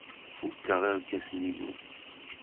Fukeɣ irkasen-inu.